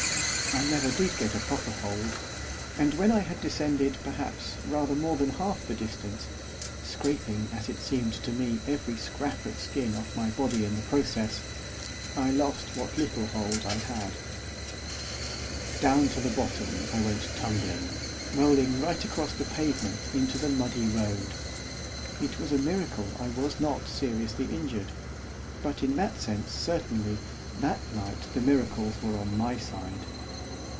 I never did get a proper hold, and when I had descended, perhaps, rather more than half the distance scraping, as it seemed to me, every scrap of skin off my body in the process I lost what little hold I had. Down to the bottom I went tumbling, rolling right across the pavement into the muddy road. It was a miracle I was not seriously injured, but in that sense, certainly, that night the miracles were on my side.